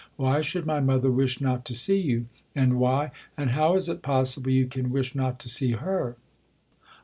Why should my mother wish not to see you ? And why — and how is it possible you can wish not to see her